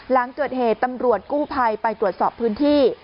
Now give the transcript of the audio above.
หลังเกิดเหตุตำรวจกู้ภัยไปตรวจสอบพื้นที่